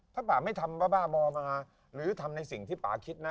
ถ้าป่าไม่ทำบ้าบ้าบอมาหรือทำในสิ่งที่ป่าคิดนะ